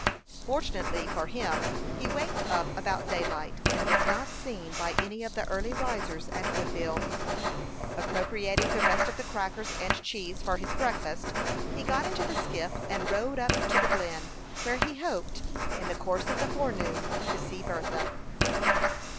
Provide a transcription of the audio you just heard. Fortunately for him he waked up about daylight, and was not seen by any of the early risers at Woodville. Appropriating the rest of the crackers and cheese for his breakfast, he got into the skiff and rowed up to the Glen, where he hoped, in the course of the forenoon, to see Bertha.